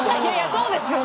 そうですよね。